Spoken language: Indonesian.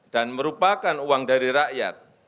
dan merupakan uang dari rakyat